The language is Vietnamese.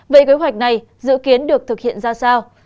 về kế hoạch này dự kiến được thực hiện ra sao